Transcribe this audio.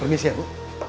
permisi ya bu